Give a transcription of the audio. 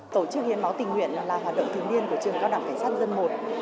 tổ chức hiên máu tình nguyện là hoạt động thường niên của trường cao đẳng cảnh sát nhân dân một